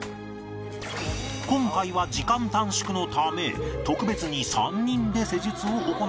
今回は時間短縮のため特別に３人で施術を行って頂く